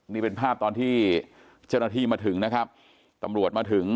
นี่เป็นภาพตอนที่เจ้าหน้าที่มาถึงนะครับตำรวจมาถึง